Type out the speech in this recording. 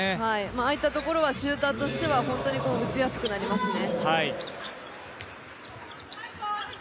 ああいったところはシューターとしては打ちやすくなりますね。